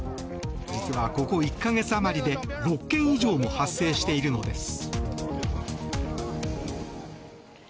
実は、ここ１か月余りで６件以上も発生しているのです。